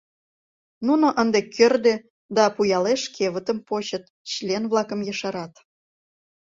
Нуно ынде Кӧрдӧ да Пуялеш кевытым почыт, член-влакым ешарат.